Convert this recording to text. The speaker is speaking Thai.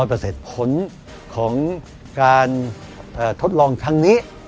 ผลของการทดลองครั้งนี้